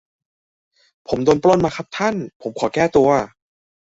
ผมโดนปล้นมาครับท่าน ผมขอแก้ตัว